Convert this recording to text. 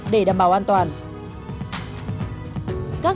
để không bị bỏ thuốc ra ngoài môi trường